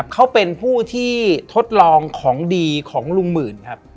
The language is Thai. เขาเป็นผู้ที่ทดลองของดีของลุงหมื่นครับ